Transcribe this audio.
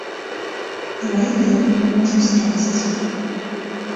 Краіна, якую мы можам страціць.